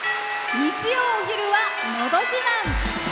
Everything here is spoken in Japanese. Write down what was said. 日曜お昼は「のど自慢」。